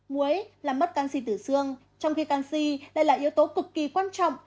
muối làm mất canxi tử xương trong khi canxi lại là yếu tố cực kỳ quan trọng